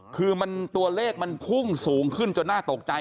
คือตัวเลขมันพุ่งสูงขึ้นจนน่าตกใจ